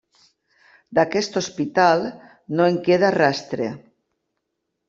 D'aquest hospital, no en queda rastre.